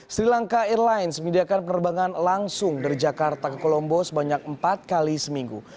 sri lanka airlines menyediakan penerbangan langsung dari jakarta ke kolombo sebanyak empat kali seminggu